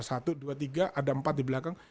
satu dua tiga ada empat di belakang